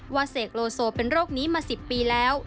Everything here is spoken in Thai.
เสกโลโซเป็นโรคนี้มา๑๐ปีแล้ว